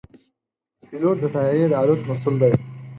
پيلوټ د طیارې د الوت مسؤل دی.